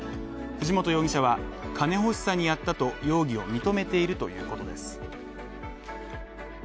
藤本容疑者は、金ほしさにやったと容疑を認めているということです。